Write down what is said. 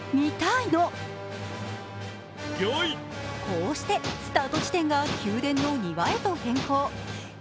こうして、スタート地点が宮殿の庭へと変更。